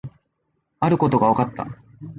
あることが分かった